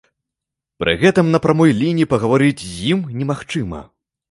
Пры гэтым на прамой лініі пагаварыць з ім немагчыма.